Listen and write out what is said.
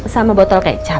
sama botol kecap